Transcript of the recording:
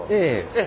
ええ。